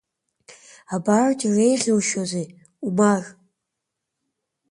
Абарҭ иреиӷьушьозеи, Умар!